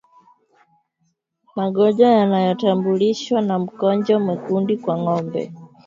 Magonjwa yanayotambulishwa na mkojo mwekundu kwa ngombe